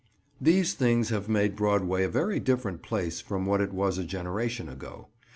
These things have made Broadway a very different place from what it was a generation ago.